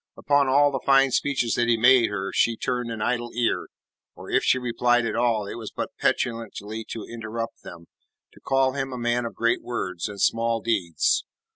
Upon all the fine speeches that he made her she turned an idle ear, or if she replied at all it was but petulantly to interrupt them, to call him a man of great words and small deeds.